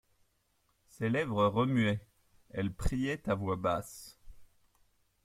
Ses lèvres remuaient ; elle priait à voix basse.